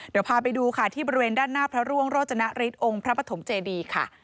เดี๋ยวพาไปดูที่บริเวณด้านหน้าพระลวงโรจนะริตองค์พระปฐมเจดีย์